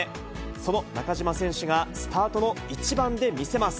その中島選手が、スタートの１番で見せます。